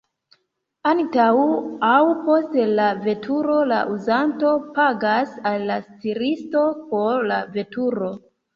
Antaŭ aŭ post la veturo la uzanto pagas al la stiristo por la veturo.